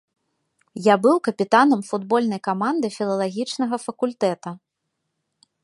Я быў капітанам футбольнай каманды філалагічнага факультэта.